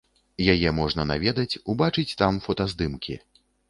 Яе можна наведаць, убачыць там фотаздымкі.